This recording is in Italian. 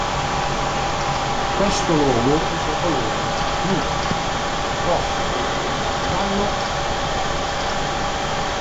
Questo logo usa i colori blu, rosso, giallo e verde.